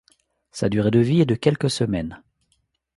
Sa durée de vie est de quelques semaines.